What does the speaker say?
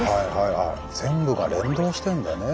全部が連動してんだね。